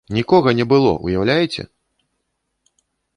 Нікога не было, уяўляеце!